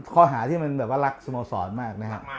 ขอหาที่มันแบบว่ารักสมสรรค์มากนะฮะ